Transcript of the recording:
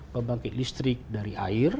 membangkit listrik dari air